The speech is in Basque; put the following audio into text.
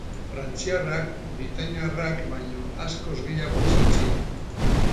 Frantziarrak britainiarrak baino askoz gehiago izan ziren.